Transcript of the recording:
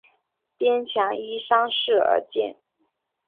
边墙依山势而建。